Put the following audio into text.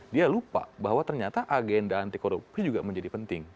dia lupa bahwa ternyata agenda anti korupsi juga menjadi penting